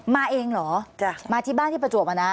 มาเองเหรอมาที่บ้านที่ประจวบอะนะ